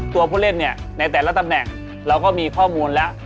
ตัวผู้เล่นเนี่ยในแต่ละตำแหน่งเราก็มีข้อมูลแล้ว